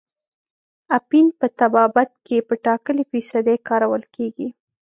اپین په طبابت کې په ټاکلې فیصدۍ کارول کیږي.